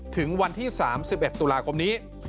ถึงวันที่๓๑ตุลาคมนี้